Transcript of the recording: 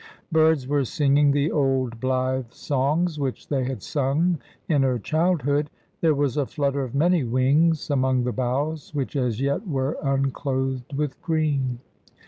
Birds were singing the old blithe songs which they had sung in her childhood; there was a flutter of many wings among the boughs, which as yet were unclothed with green.